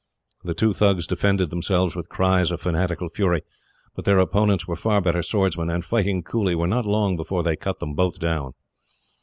The two Thugs defended themselves, with cries of fanatical fury, but their opponents were far better swordsmen, and, fighting coolly, were not long before they cut them both down.